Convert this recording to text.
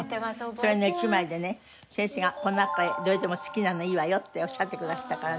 それの１枚でね先生がこの中からどれでも好きなのいいわよっておっしゃってくだすったからね。